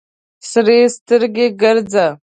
سرې سترګې ګرځه.